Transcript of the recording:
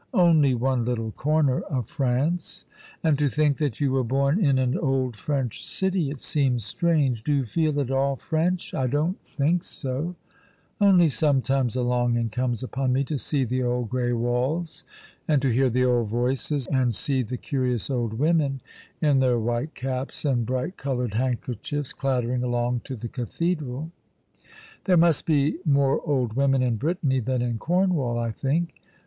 '' Only one little corner of France." " And to think that you were born in an old French city ! It seems strange. Do you feel at all French ?"" I don't think so ; only sometimes a longing comes upon me to see the old grey walls, and to hear the old voices, and see the curious old women in their white caps and bright 112 All along the River, coloured handkerchiefs, clattering along to the Cathedral. There must be more old women in Brittany than in Cornwall, I think.